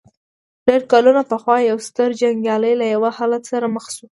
ډېر کلونه پخوا يو ستر جنګيالی له يوه حالت سره مخ شو.